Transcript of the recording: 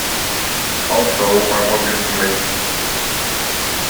Also, I want information.